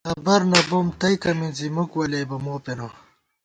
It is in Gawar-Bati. خبر نہ بوم تئیکہ مِنزی مُک ولیَئیبہ مو پېنہ